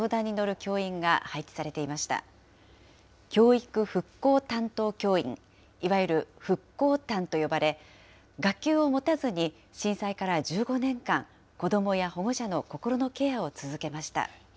教育復興担当教員、いわゆる復興担と呼ばれ、学級を持たずに震災から１５年間、子どもや保護者の心のケアを続けました。